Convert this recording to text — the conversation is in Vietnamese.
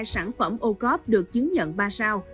một trăm một mươi hai sản phẩm ô cấp được chứng nhận ba sao